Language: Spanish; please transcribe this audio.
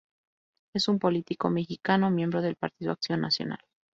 Es un político mexicano, miembro del Partido Acción Nacional.